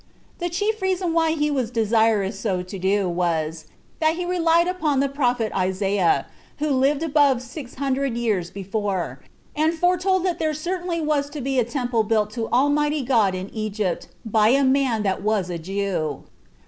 The chief reason why he was desirous so to do, was, that he relied upon the prophet Isaiah, who lived above six hundred years before, and foretold that there certainly was to be a temple built to Almighty God in Egypt by a man that was a Jew.